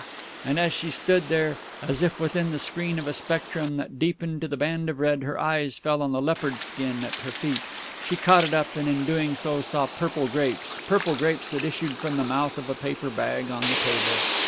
And as she stood there, as if within the screen of a spectrum that deepened to the band of red, her eyes fell on the leopard skin at her feet. She caught it up, and in doing so saw purple grapes purple grapes that issued from the mouth of a paper bag on the table.